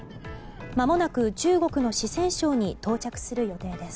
まもなく中国の四川省に到着する予定です。